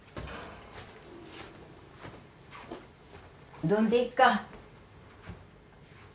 うどんでいいか。